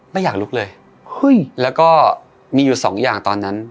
ไม่อยากลุกเลยแล้วก็มีอยู่สองอย่างตอนนั้น